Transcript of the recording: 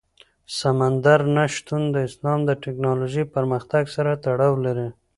سمندر نه شتون د افغانستان د تکنالوژۍ پرمختګ سره تړاو لري.